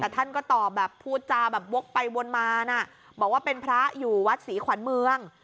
แต่ท่านก็ตอบแบบพูดจาแบบวกไปวนมานะบอกว่าเป็นพระอยู่วัดศรีขวัญเมือง